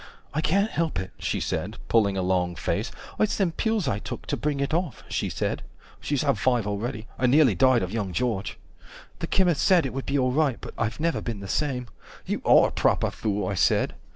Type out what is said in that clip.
I can't help it, she said, pulling a long face, It's them pills I took, to bring it off, she said. (She's had five already, and nearly died of young George.) 160 The chemist said it would be alright, but I've never been the same. You are a proper fool, I said.